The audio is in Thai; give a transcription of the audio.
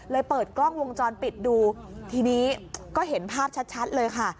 เปิดกล้องวงจรปิดดูทีนี้ก็เห็นภาพชัดเลยค่ะ